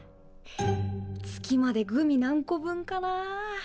月までグミ何個分かな。